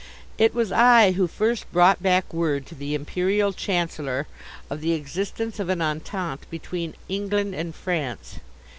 It was I who first brought back word to the Imperial Chancellor of the existence of an Entente between England and France.